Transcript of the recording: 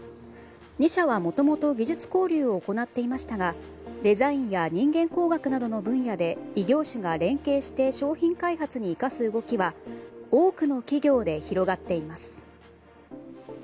２社は、もともと技術交流を行っていましたがデザインや人間工学の部門で異業種が連携して商品開発に生かす動きは多くの企業で広がっています。